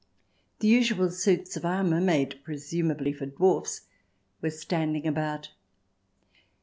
The usual suits of armour, made presumably for dwarfs, were standing about.